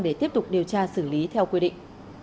để tiếp tục điều tra xử lý theo quy định